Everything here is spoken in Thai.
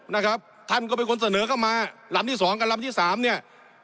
นะครับท่านก็เป็นคนเสนอเข้ามาลำที่สองกับลำที่สามเนี่ย